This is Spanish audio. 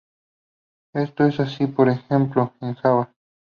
Esto es así por ejemplo en Java.